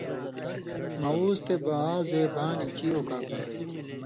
معوذ تے معاذے بان جی او کاکا